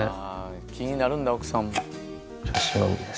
気になるんだ奥さん。